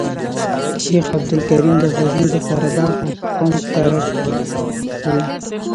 شیخ عبدالکریم د غزني د قره باغ او په قوم ترک وو.